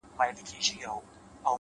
• ورور په وینو لمبولی نښانه د شجاعت وي ,